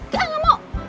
gak gak mau